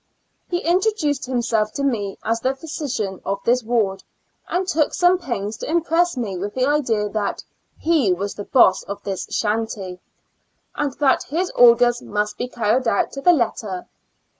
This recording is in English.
He introduced himself to me as the physician of this ward, and took some pains to impress me with the idea that " he loas the boss of this shanty ^''^ and that his orders must be carried out to the letter.